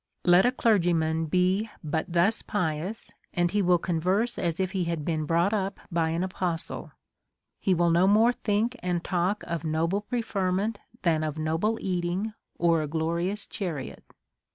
Let a clergyman be but thus pious, and he will con verse as if he liad been brought up by an apostle ; he will no more think and talk of noble preferment than of noble eating or a glorious chariot.